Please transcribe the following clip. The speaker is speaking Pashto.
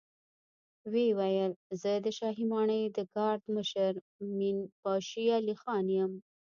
ويې ويل: زه د شاهي ماڼۍ د ګارد مشر مين باشي علی خان يم.